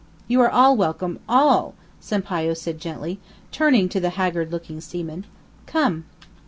"You are welcome all!" Sampayo said gently, turning to the haggard looking seamen. "Come."